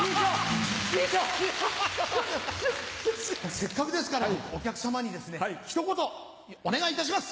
せっかくですからお客様にひと言お願いいたします。